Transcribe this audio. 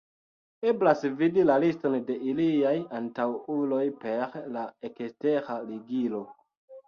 Eblas vidi la liston de iliaj antaŭuloj per la ekstera ligilo.